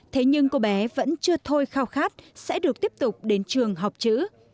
thế nhưng cô bé vẫn chưa thôi khao khát sẽ được tiếp tục đến trường học chữ